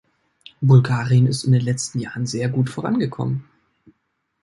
Bulgarien ist in den letzten Jahren sehr gut vorangekommen.